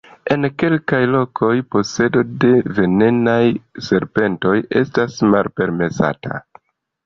En kelkaj lokoj posedo de venenaj serpentoj estas malpermesata.